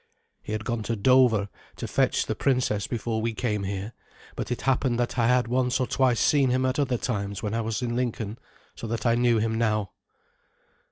He had gone to Dover to fetch the princess before we came here, but it happened that I had once or twice seen him at other times when I was in Lincoln, so that I knew him now.